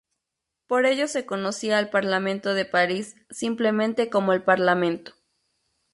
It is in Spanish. Por ello se conocía al parlamento de París simplemente como "el Parlamento".